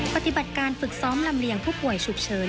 ปฏิบัติการฝึกซ้อมลำเลียงผู้ป่วยฉุกเฉิน